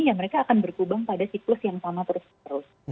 ya mereka akan berkubang pada siklus yang sama terus terus